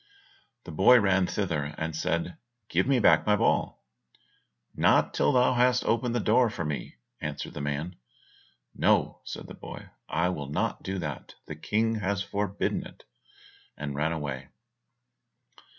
The boy ran thither and said, "Give me my ball out." "Not till thou hast opened the door for me," answered the man. "No," said the boy, "I will not do that; the King has forbidden it," and ran away.